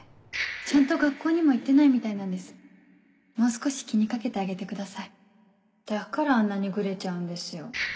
ちゃんと学校にも行ってないみたいなんでもう少し気に掛けてあげてくださいだからあんなにグレちゃうんですよ